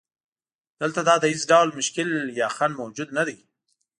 دلته تا ته هیڅ ډول مشکل یا خنډ موجود نه دی.